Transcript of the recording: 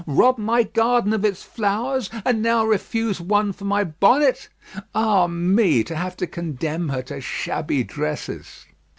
rob my garden of its flowers, and now refuse one for my bonnet!" Ah me! to have to condemn her to shabby dresses.